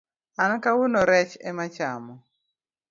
An kawuono rech emechamo